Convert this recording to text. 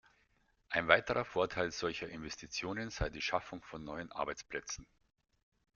Ein weiterer Vorteil solcher Investitionen sei die Schaffung von neuen Arbeitsplätzen.